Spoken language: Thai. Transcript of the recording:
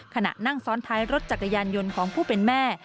ขณะนั่งซ้อนท้ายรถจักรยานยนต์ของผู้เป็นแม่